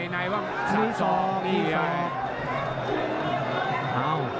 นี่ซอกนี่แฟฟ